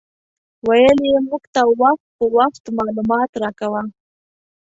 ویل یې موږ ته وخت په وخت معلومات راکاوه.